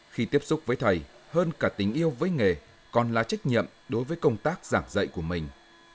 khi tiếp xúc với thầy hơn cả tình yêu với nghề còn là trách nhiệm đối với công tác giảng dạy của mình